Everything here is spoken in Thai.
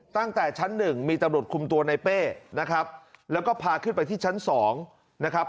ตั้งแต่ชั้นหนึ่งมีตำรวจคุมตัวในเป้นะครับแล้วก็พาขึ้นไปที่ชั้นสองนะครับ